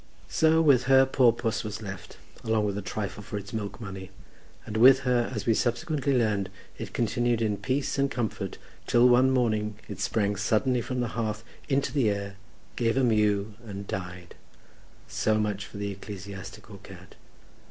So with her poor puss was left, along with a trifle for its milk money, and with her, as we subsequently learned, it continued in peace and comfort, till one morning it sprang suddenly from the hearth into the air, gave a mew and died. So much for the ecclesiastical cat!